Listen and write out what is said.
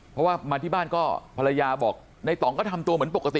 เพราะว่ามาที่บ้านก็ภรรยาบอกในต่องก็ทำตัวเหมือนปกติ